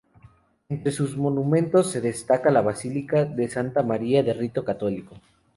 Entre sus monumentos se destaca la Basílica de Santa María, de rito católico.